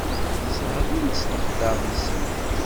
Sseɣlin s leqder-nsen.